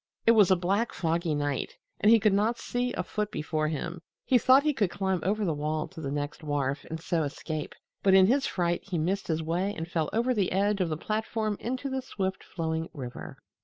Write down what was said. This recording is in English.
It was a black, foggy night, and he could not see a foot before him. He thought he could climb over the wall to the next wharf and so escape, but in his fright he missed his way and fell over the edge of the platform into the swift flowing river.